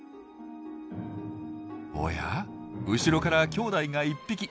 おや後ろからきょうだいが１匹。